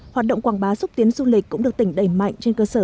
hoạt động quảng bá xúc tiến du lịch cũng được tỉnh đẩy mạnh trên cơ sở